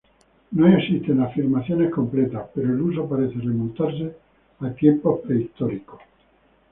No existen afirmaciones completas pero el uso parece remontarse a tiempo prehistóricos.